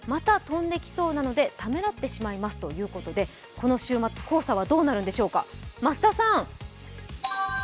この週末、黄砂はどうなるんでしょうか、増田さん。